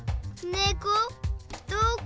ねこどこ？